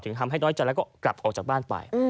ทำให้น้อยใจแล้วก็กลับออกจากบ้านไป